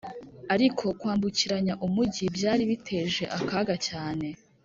Ariko kwambukiranya umugi byari biteje akaga cyane